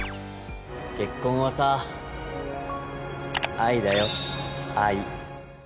結婚はさ愛だよ愛